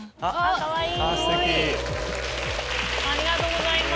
かわいい！